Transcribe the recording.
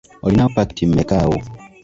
Olinawo paketi mmeka awo?